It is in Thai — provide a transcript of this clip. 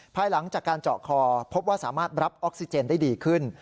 ภายหลังจากการเจาะคอพบว่าสามารถรับออกซิเจนได้ดีขึ้น